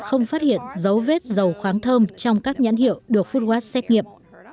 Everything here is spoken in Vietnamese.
không phát hiện dấu vết dầu khoáng thơm trong các nhãn hiệu được foodwatt xét nghiệm